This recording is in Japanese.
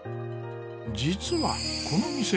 実はこの店